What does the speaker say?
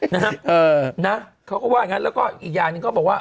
วันนี้เขาก็ว่าอย่างนั้นแล้วก็อีกอย่างนึงก็บอกว่า